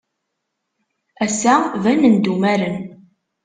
Ass-a, banen-d umaren.